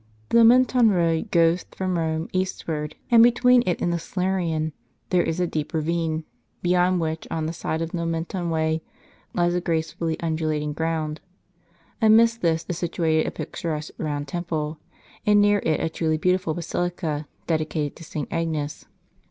'£ HE Nomentan road goes from Rome east ward, and between it and tlie Salarian is a dee]) ravine, beyond which on the side of the Nomentan way lies a grace fully undulating ground. Amidst this is situated a picturesque round temple, and near it a truly beautiful basilica, dedicated to St. Agnes.